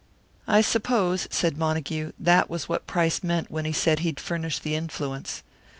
"I suppose," said Montague, "that was what Price meant when he said he'd furnish the influence."